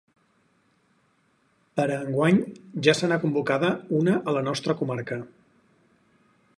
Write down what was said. Per a enguany ja se n’ha convocada una a la nostra comarca.